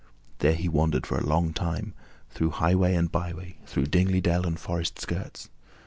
There he wandered for a long time, through highway and byway, through dingly dell and forest skirts.